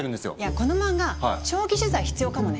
この漫画長期取材必要かもね。